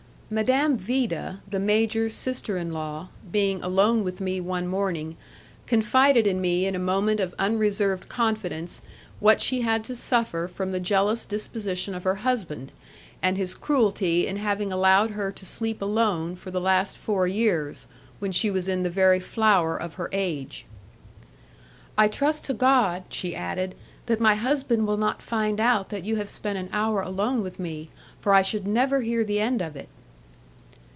Madame Vida, the major's sister in law, being alone with me one morning, confided in me in a moment of unreserved confidence what she had to suffer from the jealous disposition of her husband, and his cruelty in having allowed her to sleep alone for the last four years, when she was in the very flower of her age. "I trust to God," she added, "that my husband will not find out that you have spent an hour alone with me, for I should never hear the end of it."